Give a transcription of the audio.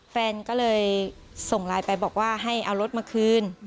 แฟนก็เลยส่งไลน์ไปบอกว่าให้เอารถมาคืน